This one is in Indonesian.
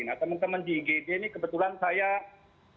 nah teman teman di igj ini kebetulan saya baru saja kontrol